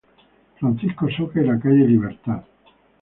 Francisco Soca y la calle Libertad.